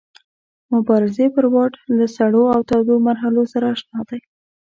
مبارزې پر واټ له سړو او تودو مرحلو سره اشنا دی.